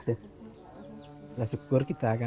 sudah syukur kita kan